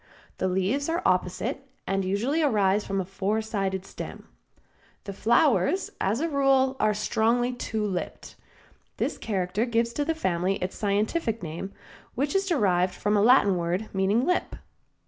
The leaves are opposite and usually arise from a four sided stem. The flowers, as a rule, are strongly two lipped. This character gives to the family its scientific name, which is derived from a Latin word meaning lip.